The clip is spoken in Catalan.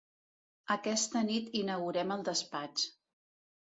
Aquesta nit inaugurem el despatx.